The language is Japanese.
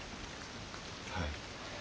はい。